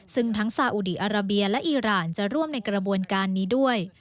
ซึ่งทั้งซาอุดีอาราเบียและอีรานจะร่วมในกระบวนการนี้ด้วย